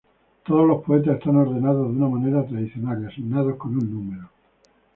Todos los poetas están ordenados de una manera tradicional y asignados con un número.